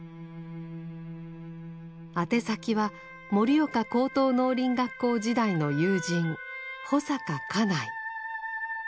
宛先は盛岡高等農林学校時代の友人保阪嘉内。